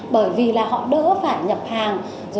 bởi vì là họ đỡ phản